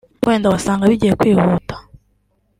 ariko wenda wasanga bigiye kwihuta